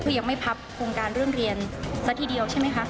คือยังไม่พับโครงการเรื่องเรียนซะทีเดียวใช่ไหมคะ